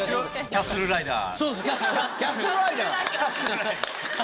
キャッスルライダー。